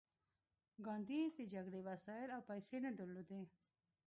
ګاندي د جګړې وسایل او پیسې نه درلودې